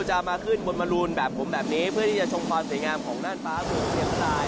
จะมาขึ้นบนมรูนแบบผมแบบนี้เพื่อที่จะชมความสวยงามของน่านฟ้าเมืองเชียงราย